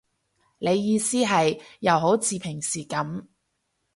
你意思係，又好似平時噉